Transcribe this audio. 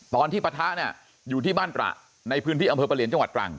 ตอนที่ปะท้าเนี่ยอยู่ที่บ้านประในพื้นที่อำเภอประเหรียญจังหวัดกลาง